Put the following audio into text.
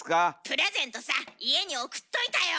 プレゼントさ家に送っといたよ！